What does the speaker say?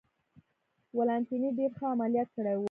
ولانتیني ډېر ښه عملیات کړي و.